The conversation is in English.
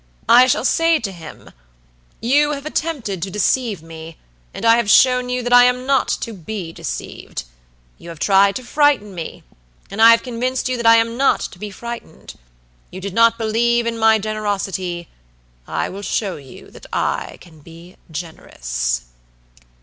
I shall say to him: You have attempted to deceive me, and I have shown you that I am not to be deceived; you have tried to frighten me, and I have convinced you that I am not to be frightened; you did not believe in my generosity, I will show you that I can be generous."